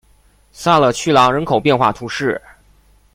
萨勒屈朗人口变化图示